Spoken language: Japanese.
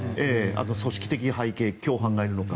あと、組織的背景共犯がいるのか。